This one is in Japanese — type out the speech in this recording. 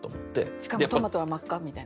しかもトマトは真っ赤みたいな。